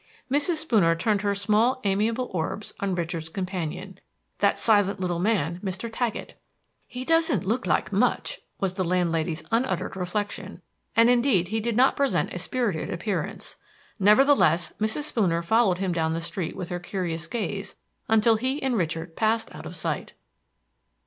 Mrs. Spooner turned her small amiable orbs on Richard's companion. That silent little man Mr. Taggett! "He doesn't look like much," was the landlady's unuttered reflection; and indeed he did not present a spirited appearance. Nevertheless Mrs. Spooner followed him down the street with her curious gaze until he and Richard passed out of sight.